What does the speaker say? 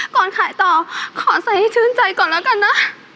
ก่อนขายต่อขอใส่ให้ชื่นใจก่อนแล้วกันนะ